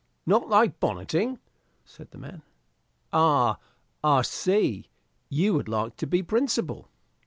"Not like bonneting?" said the man. "Ah, I see, you would like to be principal.